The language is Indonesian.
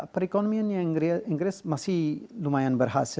perekonomiannya inggris masih lumayan berhasil